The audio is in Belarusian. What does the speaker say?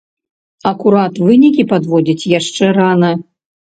Акурат вынікі падводзіць яшчэ рана.